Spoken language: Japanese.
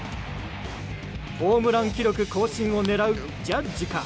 ホームラン記録更新を狙うジャッジか。